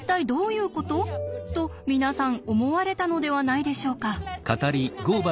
と皆さん思われたのではないでしょうか。